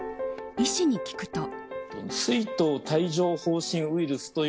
医師に聞くと。